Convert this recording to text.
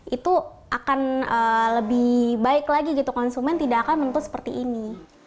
itu akan lebih baik lagi gitu konsumen tidak akan menuntut seperti ini